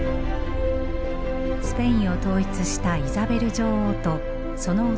スペインを統一したイザベル女王とその夫